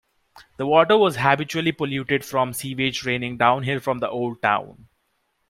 The water was habitually polluted from sewage draining downhill from the Old Town.